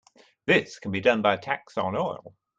This can be done by a tax on oil.